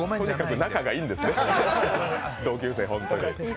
仲がいいんですね、同級生本当に。